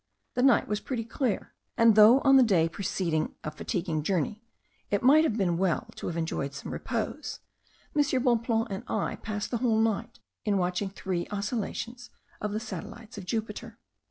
The night was pretty clear; and though on the day preceding a fatiguing journey it might have been well to have enjoyed some repose, M. Bonpland and I passed the whole night in watching three occultations of the satellites of Jupiter.